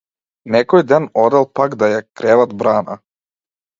Некој ден одел пак да ја креват брана.